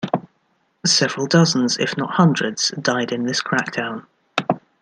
Several dozens, if not hundreds, died in this crackdown.